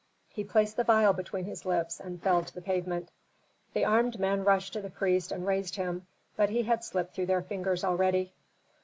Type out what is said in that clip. He placed the vial between his lips and fell to the pavement. The armed men rushed to the priest and raised him, but he had slipped through their fingers already.